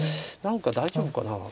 何か大丈夫かな。